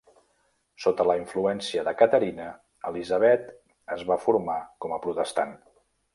Sota la influència de Caterina, Elisabet es va formar com a protestant.